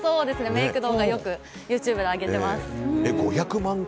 メイク動画、よくＹｏｕＴｕｂｅで上げてます。